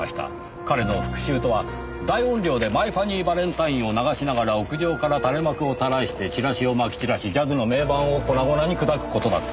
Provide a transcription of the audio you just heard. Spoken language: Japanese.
彼の復讐とは大音量で『マイ・ファニー・ヴァレンタイン』を流しながら屋上から垂れ幕をたらしてチラシをまき散らしジャズの名盤を粉々に砕く事だった。